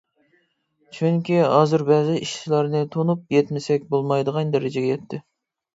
چۈنكى، ھازىر بەزى ئىشلارنى تونۇپ يەتمىسەك بولمايدىغان دەرىجىگە يەتتى.